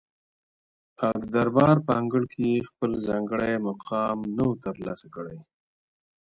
او ددربار په انګړ کي یې خپل ځانګړی مقام نه وو تر لاسه کړی